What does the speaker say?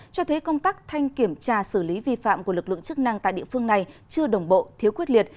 cho thấy công tác thanh kiểm tra xử lý vi phạm của lực lượng chức năng tại địa phương này chưa đồng bộ thiếu quyết liệt